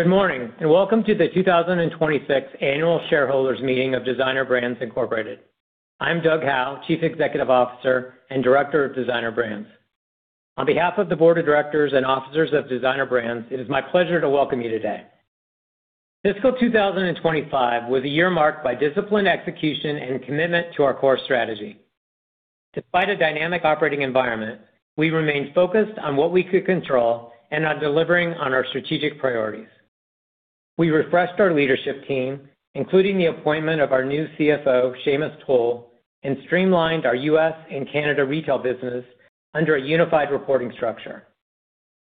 Good morning, and welcome to the 2026 Annual Shareholders Meeting of Designer Brands Inc. I'm Doug Howe, Chief Executive Officer and Director of Designer Brands. On behalf of the Board of Directors and officers of Designer Brands, it is my pleasure to welcome you today. Fiscal 2025 was a year marked by disciplined execution and commitment to our core strategy. Despite a dynamic operating environment, we remained focused on what we could control and on delivering on our strategic priorities. We refreshed our leadership team, including the appointment of our new CFO, Seamus Toal, and streamlined our U.S. and Canada retail business under a unified reporting structure.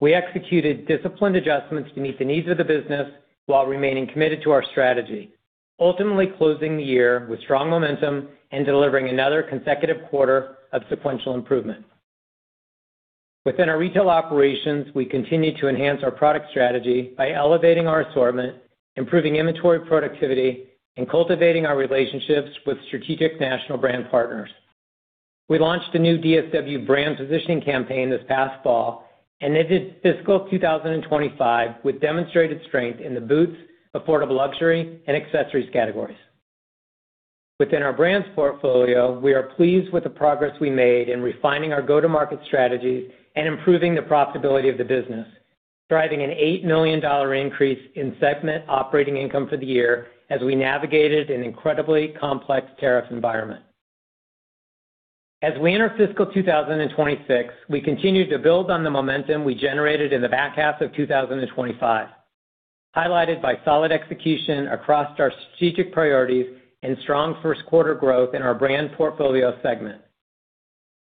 We executed disciplined adjustments to meet the needs of the business while remaining committed to our strategy, ultimately closing the year with strong momentum and delivering another consecutive quarter of sequential improvement. Within our retail operations, we continued to enhance our product strategy by elevating our assortment, improving inventory productivity, and cultivating our relationships with strategic national brand partners. We launched a new DSW brand positioning campaign this past fall and ended fiscal 2025 with demonstrated strength in the boots, affordable luxury, and accessories categories. Within our brands portfolio, we are pleased with the progress we made in refining our go-to-market strategy and improving the profitability of the business, driving an $8 million increase in segment operating income for the year as we navigated an incredibly complex tariff environment. As we enter fiscal 2026, we continue to build on the momentum we generated in the back half of 2025, highlighted by solid execution across our strategic priorities and strong first quarter growth in our brand portfolio segment.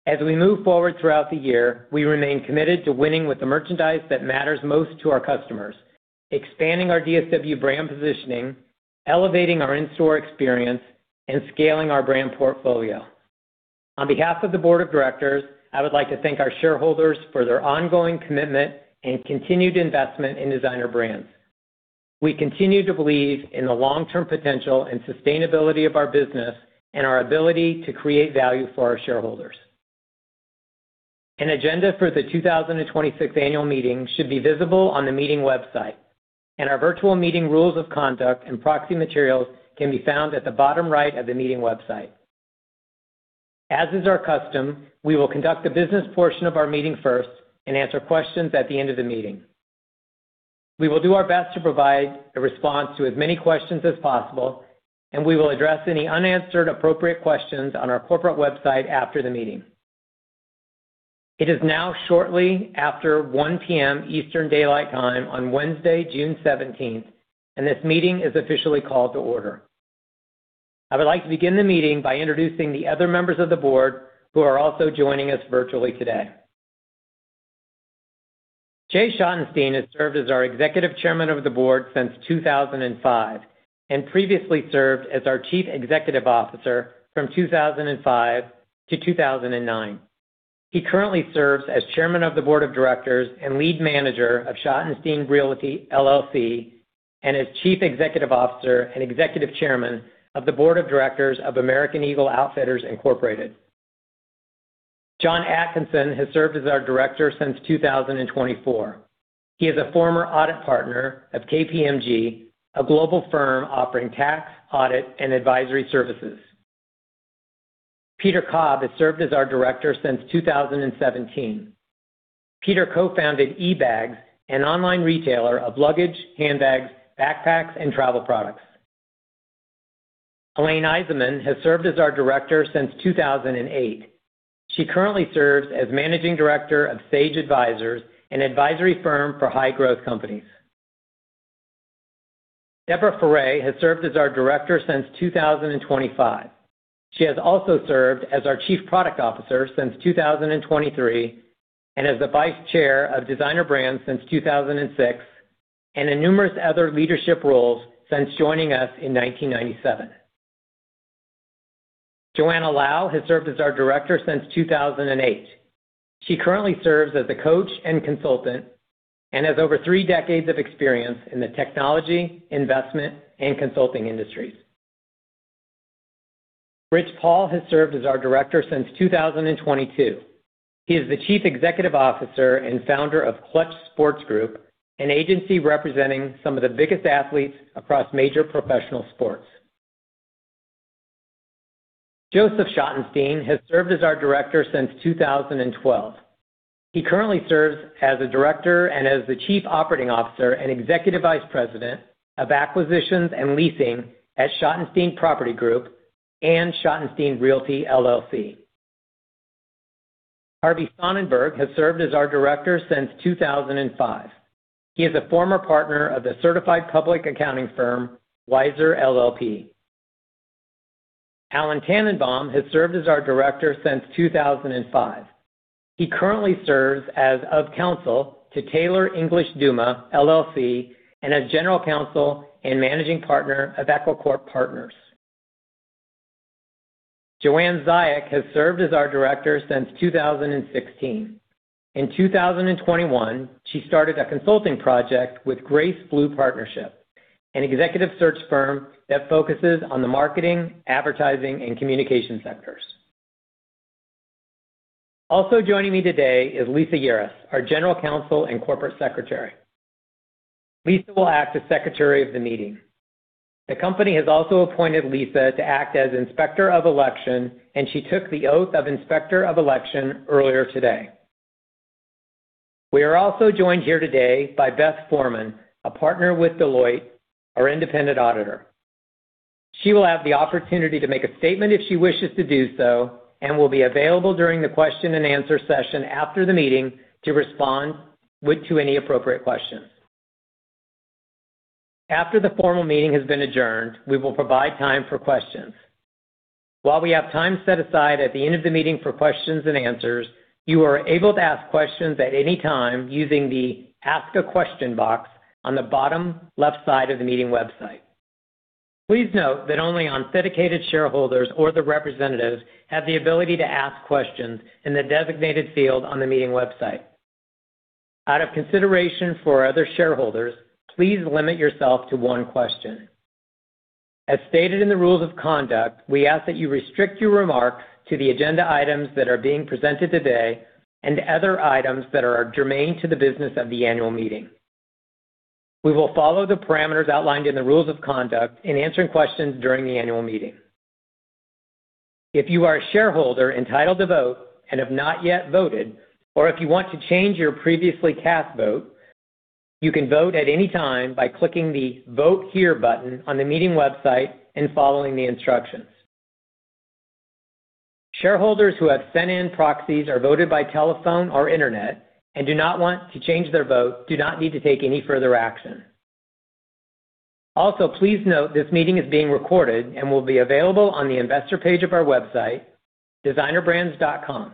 As we move forward throughout the year, we remain committed to winning with the merchandise that matters most to our customers, expanding our DSW brand positioning, elevating our in-store experience, and scaling our brand portfolio. On behalf of the Board of Directors, I would like to thank our shareholders for their ongoing commitment and continued investment in Designer Brands. We continue to believe in the long-term potential and sustainability of our business and our ability to create value for our shareholders. An agenda for the 2026 annual meeting should be visible on the meeting website. Our virtual meeting rules of conduct and proxy materials can be found at the bottom right of the meeting website. As is our custom, we will conduct the business portion of our meeting first and answer questions at the end of the meeting. We will do our best to provide a response to as many questions as possible, and we will address any unanswered appropriate questions on our corporate website after the meeting. It is now shortly after 1:00 P.M. Eastern Daylight Time on Wednesday, June 17th, and this meeting is officially called to order. I would like to begin the meeting by introducing the other members of the Board who are also joining us virtually today. Jay Schottenstein has served as our Executive Chairman of the Board since 2005 and previously served as our Chief Executive Officer from 2005 to 2009. He currently serves as Chairman of the Board of Directors and lead manager of Schottenstein Realty LLC, and as Chief Executive Officer and Executive Chairman of the Board of Directors of American Eagle Outfitters Incorporated. John Atkinson has served as our director since 2024. He is a former audit partner of KPMG, a global firm offering tax, audit, and advisory services. Peter Cobb has served as our director since 2017. Peter co-founded eBags, an online retailer of luggage, handbags, backpacks, and travel products. Elaine Eisenman has served as our director since 2008. She currently serves as Managing Director of Sage Advisors, an advisory firm for high-growth companies. Deborah Ferrée has served as our director since 2025. She has also served as our Chief Product Officer since 2023 and as the Vice Chair of Designer Brands since 2006, and in numerous other leadership roles since joining us in 1997. Joanna Lau has served as our director since 2008. She currently serves as a coach and consultant and has over three decades of experience in the technology, investment, and consulting industries. Rich Paul has served as our director since 2022. He is the Chief Executive Officer and founder of Klutch Sports Group, an agency representing some of the biggest athletes across major professional sports. Joseph Schottenstein has served as our director since 2012. He currently serves as a director and as the Chief Operating Officer and Executive Vice President of Acquisitions and Leasing at Schottenstein Property Group and Schottenstein Realty LLC. Harvey Sonnenberg has served as our director since 2005. He is a former partner of the certified public accounting firm Weiser LLP. Allan Tanenbaum has served as our director since 2005. He currently serves as of counsel to Taylor English Duma LLC and as General Counsel and Managing Partner of Equicorp Partners. Joanna Zaiac has served as our director since 2016. In 2021, she started a consulting project with Grace Blue Partnership, an executive search firm that focuses on the marketing, advertising, and communication sectors. Also joining me today is Lisa Yerrace, our General Counsel and Corporate Secretary. Lisa Yerrace will act as Secretary of the meeting. The company has also appointed Lisa Yerrace to act as Inspector of Election, and he took the oath of Inspector of Election earlier today. We are also joined here today by Beth Forman, a partner with Deloitte, our independent auditor. She will have the opportunity to make a statement if she wishes to do so and will be available during the question-and-answer session after the meeting to respond to any appropriate questions. After the formal meeting has been adjourned, we will provide time for questions. While we have time set aside at the end of the meeting for questions and answers, you are able to ask questions at any time using the Ask a Question box on the bottom left side of the meeting website. Please note that only authenticated shareholders or their representatives have the ability to ask questions in the designated field on the meeting website. Out of consideration for other shareholders, please limit yourself to one question. As stated in the rules of conduct, we ask that you restrict your remarks to the agenda items that are being presented today and other items that are germane to the business of the annual meeting. We will follow the parameters outlined in the rules of conduct in answering questions during the annual meeting. If you are a shareholder entitled to vote and have not yet voted, or if you want to change your previously cast vote, you can vote at any time by clicking the Vote Here button on the meeting website and following the instructions. Shareholders who have sent in proxies or voted by telephone or internet and do not want to change their vote do not need to take any further action. Also, please note this meeting is being recorded and will be available on the investor page of our website, designerbrands.com.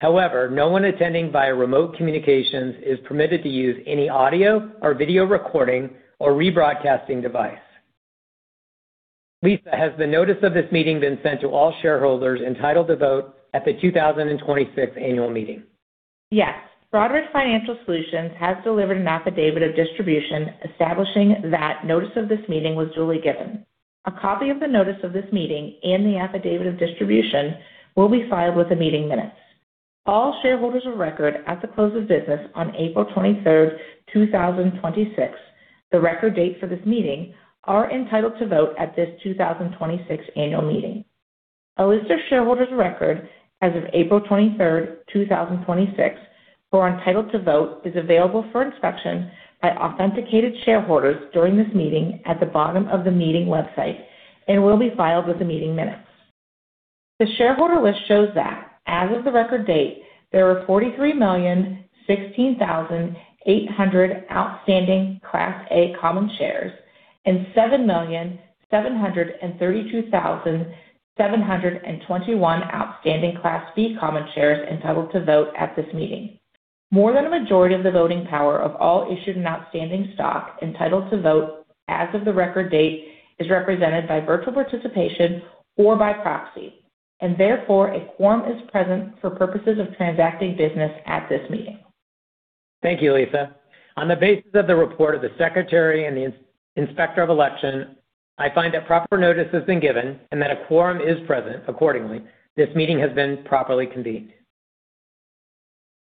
However, no one attending via remote communications is permitted to use any audio or video recording or rebroadcasting device. Lisa, has the notice of this meeting been sent to all shareholders entitled to vote at the 2026 annual meeting? Yes. Broadridge Financial Solutions has delivered an affidavit of distribution establishing that notice of this meeting was duly given. A copy of the notice of this meeting and the affidavit of distribution will be filed with the meeting minutes. All shareholders of record at the close of business on April 23rd, 2026, the record date for this meeting, are entitled to vote at this 2026 annual meeting. A list of shareholders of record as of April 23rd, 2026, who are entitled to vote, is available for inspection by authenticated shareholders during this meeting at the bottom of the meeting website and will be filed with the meeting minutes. The shareholder list shows that, as of the record date, there were 43,016,800 outstanding Class A common shares and 7,732,721 outstanding Class B common shares entitled to vote at this meeting. More than a majority of the voting power of all issued and outstanding stock entitled to vote as of the record date is represented by virtual participation or by proxy. Therefore, a quorum is present for purposes of transacting business at this meeting. Thank you, Lisa. On the basis of the report of the Secretary and the Inspector of Election, I find that proper notice has been given and that a quorum is present. Accordingly, this meeting has been properly convened.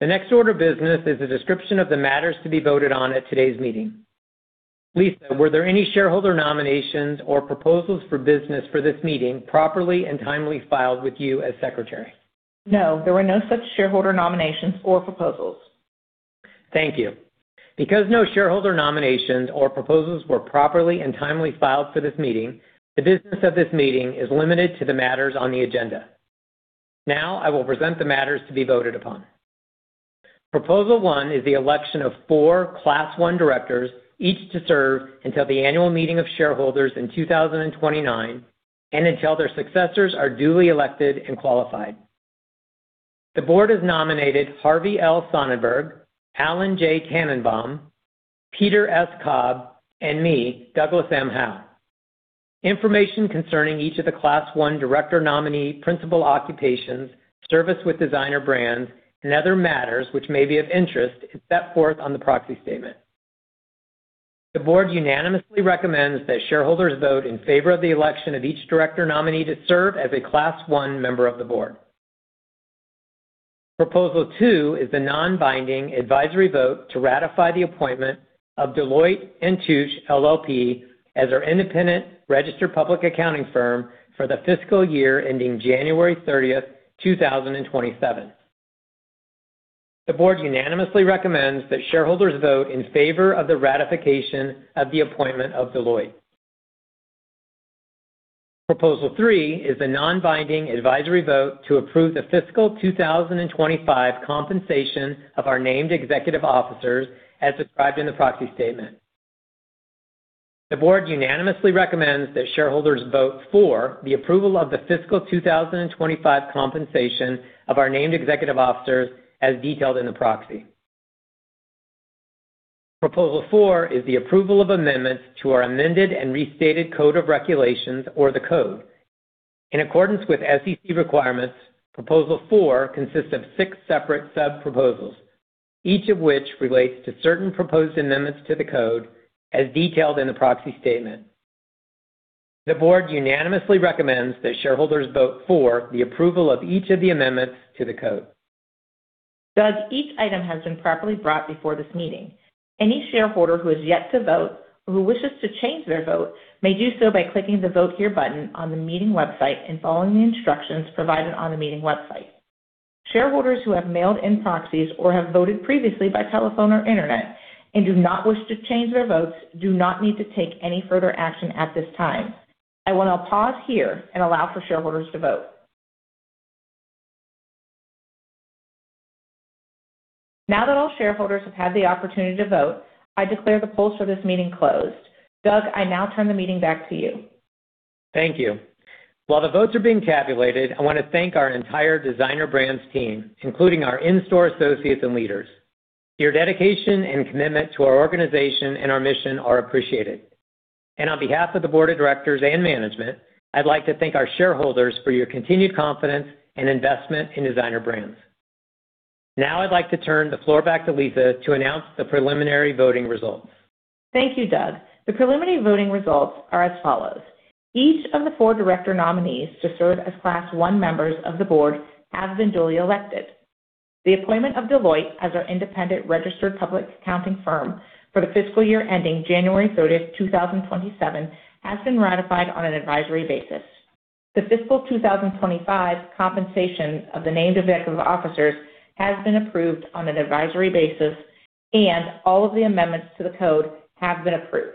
The next order of business is a description of the matters to be voted on at today's meeting. Lisa, were there any shareholder nominations or proposals for business for this meeting properly and timely filed with you as Secretary? No, there were no such shareholder nominations or proposals. Thank you. Because no shareholder nominations or proposals were properly and timely filed for this meeting, the business of this meeting is limited to the matters on the agenda. Now, I will present the matters to be voted upon. Proposal one is the election of four Class I directors, each to serve until the annual meeting of shareholders in 2029 and until their successors are duly elected and qualified. The board has nominated Harvey L. Sonnenberg, Allan J. Tanenbaum, Peter S. Cobb, and me, Douglas M. Howe. Information concerning each of the Class I director nominee principal occupations, service with Designer Brands, and other matters which may be of interest is set forth on the proxy statement. The board unanimously recommends that shareholders vote in favor of the election of each director nominee to serve as a Class I member of the board. Proposal two is the non-binding advisory vote to ratify the appointment of Deloitte & Touche LLP as our independent registered public accounting firm for the fiscal year ending January 30th, 2027. The board unanimously recommends that shareholders vote in favor of the ratification of the appointment of Deloitte. Proposal three is a non-binding advisory vote to approve the fiscal 2025 compensation of our named executive officers as described in the proxy statement. The board unanimously recommends that shareholders vote for the approval of the fiscal 2025 compensation of our named executive officers as detailed in the proxy. Proposal four is the approval of amendments to our amended and restated Code of Regulations or the Code. In accordance with SEC requirements, proposal four consists of six separate sub-proposals, each of which relates to certain proposed amendments to the code as detailed in the proxy statement. The board unanimously recommends that shareholders vote for the approval of each of the amendments to the code. Doug, each item has been properly brought before this meeting. Any shareholder who has yet to vote or who wishes to change their vote may do so by clicking the Vote Here button on the meeting website and following the instructions provided on the meeting website. Shareholders who have mailed in proxies or have voted previously by telephone or internet and do not wish to change their votes do not need to take any further action at this time. I want to pause here and allow for shareholders to vote. Now that all shareholders have had the opportunity to vote, I declare the polls for this meeting closed. Doug, I now turn the meeting back to you. Thank you. While the votes are being tabulated, I want to thank our entire Designer Brands team, including our in-store associates and leaders. Your dedication and commitment to our organization and our mission are appreciated. On behalf of the board of directors and management, I'd like to thank our shareholders for your continued confidence and investment in Designer Brands. Now I'd like to turn the floor back to Lisa to announce the preliminary voting results. Thank you, Doug. The preliminary voting results are as follows. Each of the four director nominees to serve as Class I members of the board have been duly elected. The appointment of Deloitte as our independent registered public accounting firm for the fiscal year ending January 30, 2027 has been ratified on an advisory basis. The fiscal 2025 compensation of the named executive officers has been approved on an advisory basis, and all of the amendments to the code have been approved.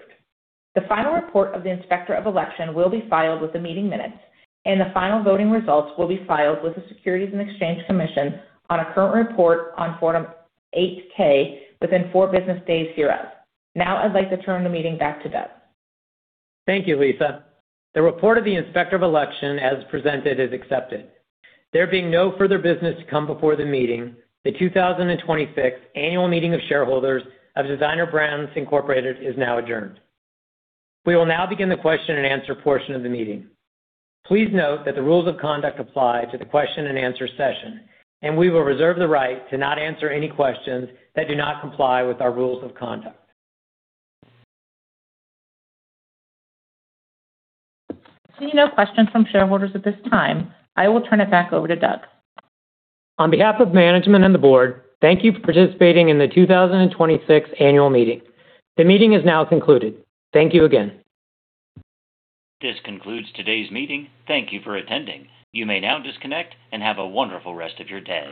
The final report of the Inspector of Election will be filed with the meeting minutes, and the final voting results will be filed with the Securities and Exchange Commission on a current report on Form 8-K within four business days hereafter. Now I'd like to turn the meeting back to Doug. Thank you, Lisa. The report of the Inspector of Election as presented is accepted. There being no further business to come before the meeting, the 2026 annual meeting of shareholders of Designer Brands Inc. is now adjourned. We will now begin the question-and-answer portion of the meeting. Please note that the rules of conduct apply to the question-and-answer session, and we will reserve the right to not answer any questions that do not comply with our rules of conduct. Seeing no questions from shareholders at this time, I will turn it back over to Doug. On behalf of management and the board, thank you for participating in the 2026 annual meeting. The meeting is now concluded. Thank you again. This concludes today's meeting. Thank you for attending. You may now disconnect and have a wonderful rest of your day.